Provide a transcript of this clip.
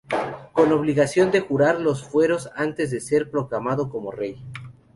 Con obligación de jurar los fueros antes de ser proclamado como rey.